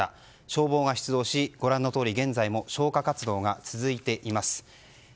消防が出動し現在も消火活動が続いています。